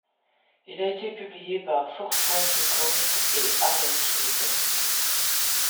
Il a été publié par Forefront Records et Ardent Records.